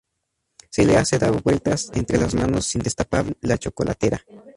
Se le hace dar vueltas entre las manos sin destapar la chocolatera.